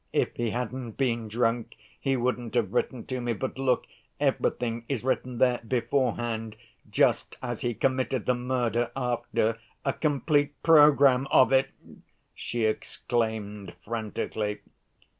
"If he hadn't been drunk, he wouldn't have written to me; but, look, everything is written there beforehand, just as he committed the murder after. A complete program of it!" she exclaimed frantically.